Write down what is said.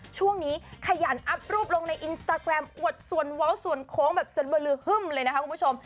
ช่วงนี้ขยันอัพรูปลงในอินสตาแกรมอวดส่วนเว้าส่วนโค้งแบบสดเบอร์ลือฮึ่มเลยนะคะคุณผู้ชม